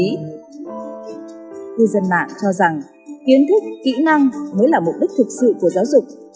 cư dân mạng cho rằng kiến thức kỹ năng mới là mục đích thực sự của giáo dục